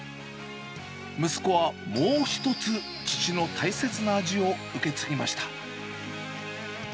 息子はもう一つ、父の大切な味を受け継ぎました。